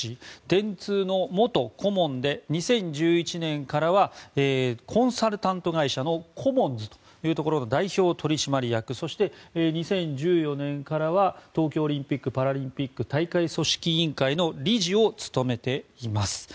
電通の元顧問で２０１１年からはコンサルタント会社のコモンズというところの代表取締役そして２０１４年からは東京オリンピック・パラリンピック大会組織委員会の理事を務めています。